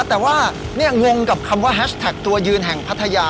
แต่ว่านี่งงกับคำว่าแฮชแท็กตัวยืนแห่งพัทยา